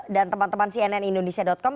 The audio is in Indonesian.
dan teman teman cnn indonesia com